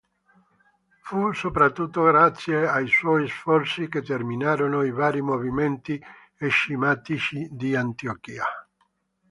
Fu soprattutto grazie ai suoi sforzi che terminarono i vari movimenti scismatici di Antiochia.